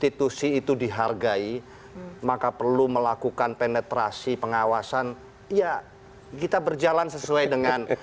institusi itu dihargai maka perlu melakukan penetrasi pengawasan ya kita berjalan sesuai dengan